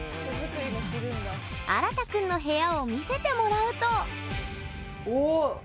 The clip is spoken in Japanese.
あらたくんの部屋を見せてもらうと。